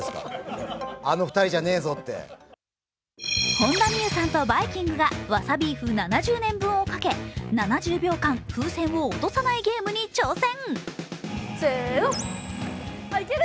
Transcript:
本田望結さんとバイきんぐがわさビーフ７０年分をかけ、７０秒間、風船を落とさないゲームに挑戦。